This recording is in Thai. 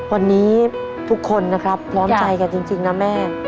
วันนี้ทุกคนนะครับพร้อมใจกันจริงนะแม่